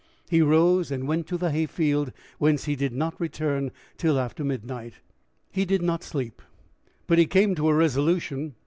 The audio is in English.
He rose and went to the hay field, whence he did not return till after midnight. He did not sleep, but he came to a resolution.